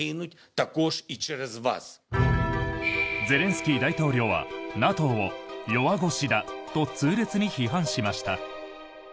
ゼレンスキー大統領はＮＡＴＯを弱腰だと痛烈に批判しました。